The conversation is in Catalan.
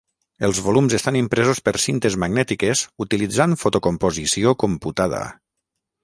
Els volums estan impresos per cintes magnètiques utilitzant fotocomposició computada.